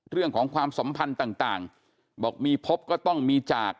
เรื่องของความสัมพันธ์ต่างบอกมีพบก็ต้องมีจาก